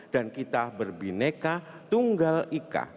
dan kita berbineka tunggal ika